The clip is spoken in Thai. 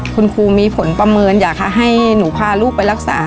คุณครูมีผลประเมินอยากให้หนูพาลูกไปรักษา